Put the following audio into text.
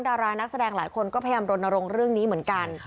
ดารานักแสดงหลายคนก็พยายามรณรงค์เรื่องนี้เหมือนกัน